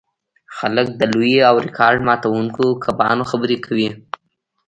خلک د لویو او ریکارډ ماتوونکو کبانو خبرې کوي